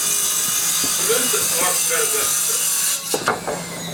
Qqlent ɣer tnerdabt.